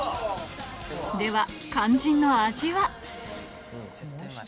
では肝心の味は？